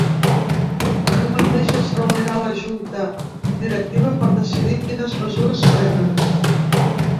Avui mateix es reunirà la junta directiva per decidir quines mesures prenen.